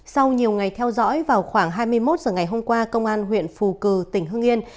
sau nhiều ngày theo dõi vào khoảng hai mươi một h ngày hôm qua công an huyện phù cử tỉnh hưng yên